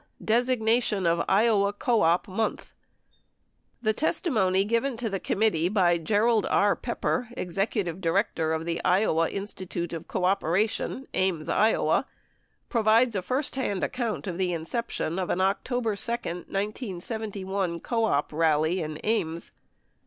DESIGNATION OF IOWA CO OP MONTH The testimony given to the committee by Gerald K. Pepper, execu tive director of the Iowa Institute of Cooperation, Ames, Iowa, pro vides a first hand account of the inception of an October 2, 1911 co op rally in Ames.